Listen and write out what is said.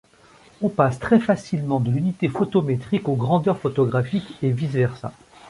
On passe très facilement de l'unité photométrique aux grandeurs photographiques et vice-versa.